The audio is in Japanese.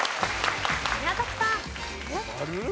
宮崎さん。